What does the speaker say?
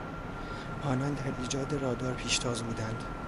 آنان در ایجاد رادار پیشتاز بودند.